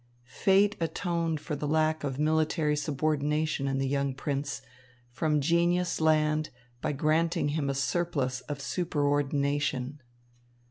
Fate atoned for the lack of military subordination in the young prince from genius land by granting him a surplus of superordination.